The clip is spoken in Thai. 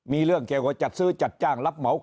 มีเรื่องเกี่ยวกับจัดซื้อจัดจ้างรับเหมา